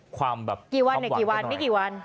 ความหวังกันหน่อย